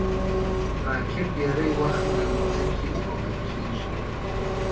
راکټ ډېری وخت له ځمکې توغول کېږي